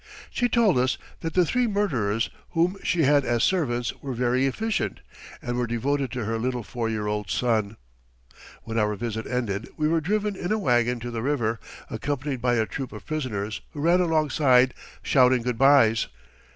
She told us that the three murderers whom she had as servants were very efficient, and were devoted to her little four year old son. When our visit ended we were driven in a wagon to the river, accompanied by a troop of prisoners who ran alongside shouting good bys.